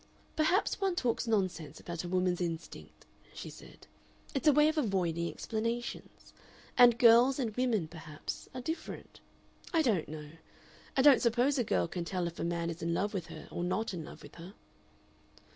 "Perhaps one talks nonsense about a woman's instinct," she said. "It's a way of avoiding explanations. And girls and women, perhaps, are different. I don't know. I don't suppose a girl can tell if a man is in love with her or not in love with her."